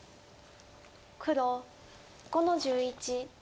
黒５の十一。